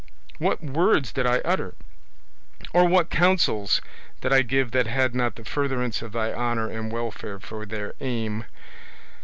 What words did I utter, or what counsels did I give that had not the furtherance of thy honour and welfare for their aim?